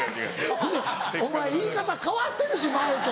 ほんでお前言い方変わってるし前と。